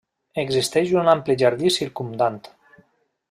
Existeix un ampli jardí circumdant.